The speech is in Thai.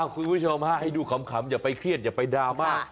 คุณผู้ชมให้ดูขำอย่าไปเครียดอย่าไปดราม่า